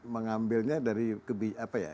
mengambilnya dari apa ya